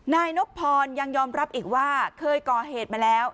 นายนบพรยังยอมรับอีกว่าเคยก่อเหตุมาแล้ว